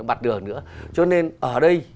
bắt đường nữa cho nên ở đây